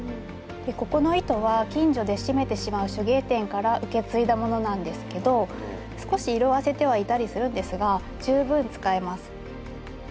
ここの糸は近所で閉めてしまう手芸店から受け継いだものなんですけど少し色あせてはいたりするんですが十分使えます。